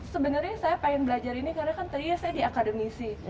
sebenarnya saya ingin belajar ini karena kan tadinya saya di akademisi